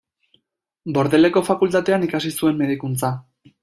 Bordeleko Fakultatean ikasi zuen Medikuntza.